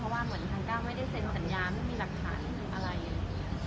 เพราะว่าเหมือนทางก้าวไม่ได้เซ็นสัญญาไม่มีหลักฐานไม่มีอะไรเลย